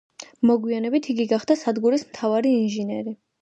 მოგვიანებით იგი გახდა სადგურის მთავარი ინჟინერი.